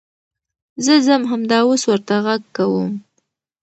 زه ځم همدا اوس ورته غږ کوم .